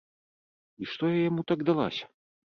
І што я яму так далася?